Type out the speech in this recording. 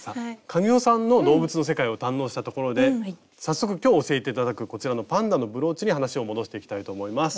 神尾さんの動物の世界を堪能したところで早速今日教えて頂くこちらのパンダのブローチに話を戻していきたいと思います。